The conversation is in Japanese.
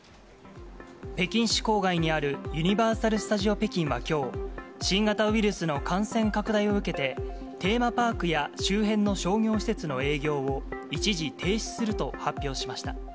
北京市郊外にあるユニバーサル・スタジオ北京はきょう、新型ウイルスの感染拡大を受けて、テーマパークや周辺の商業施設の営業を一時停止すると発表しました。